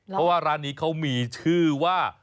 เพราะว่าร้านนี้เขามีชื่อว่า